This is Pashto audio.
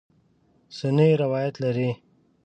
سنې روایت لري.